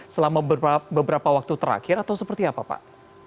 selama beberapa waktu terakhir atau seperti apa pak